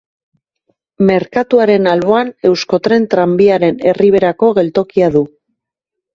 Merkatuaren alboan Euskotren Tranbiaren Erriberako geltokia du.